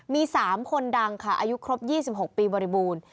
มี๓คนดังค่ะอายุครบ๒๖ปีบริบูรณ์